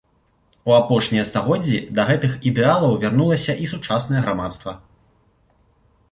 У апошнія стагоддзі да гэтых ідэалаў вярнулася і сучаснае грамадства.